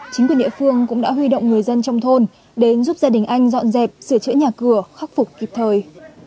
chính quyền địa phương cũng đã huy động người dân trong thôn đến giúp gia đình anh dọn dẹp sửa chữa nhà cửa khắc phục kịp thời